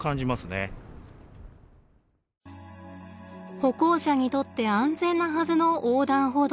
歩行者にとって安全なはずの横断歩道。